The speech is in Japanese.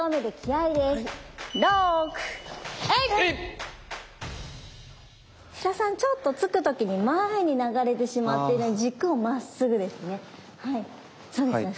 白洲さんちょっと突く時に前に流れてしまってるので軸をまっすぐですね